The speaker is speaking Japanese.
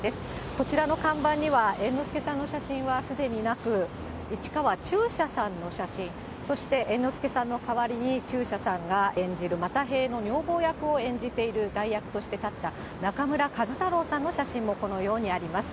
こちらの看板には猿之助さんの写真はすでになく、市川中車さんの写真、そして猿之助さんの代わりに中車さんが演じる又平の女房役を演じている代役として立った、中村壱太郎さんの写真もこのようにあります。